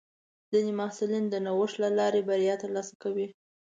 ځینې محصلین د نوښت له لارې بریا ترلاسه کوي.